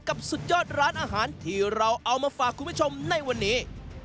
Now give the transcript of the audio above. สุดยอดร้านอาหารที่เราเอามาฝากคุณผู้ชมในวันนี้